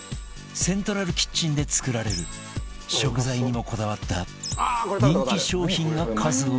セントラルキッチンで作られる食材にもこだわった人気商品が数多く並ぶ